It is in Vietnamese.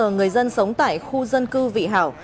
người dân sống tại khu dân cư vị hảo